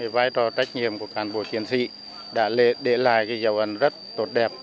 vài trò trách nhiệm của cán bộ chiến sĩ đã để lại cái dầu ẩn rất tốt đẹp